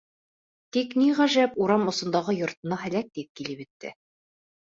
Тик, ни ғәжәп, урам осондағы йортона һәләк тиҙ килеп етте.